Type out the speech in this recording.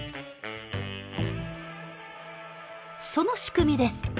その仕組みです。